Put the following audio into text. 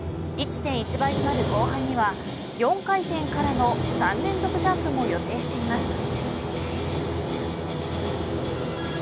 １．１倍となる後半には４回転からの３連続ジャンプも予定されています。